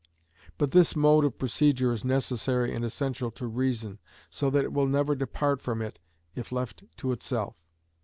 But this mode of procedure is necessary and essential to reason, so that it will never depart from it if left to itself.